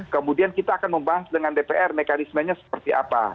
kemudian kita akan membahas dengan dpr mekanismenya seperti apa